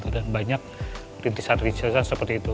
dan banyak rintisan rintisan seperti itu